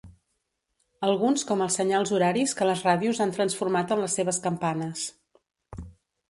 Alguns com els senyals horaris que les ràdios han transformat en les seves campanes.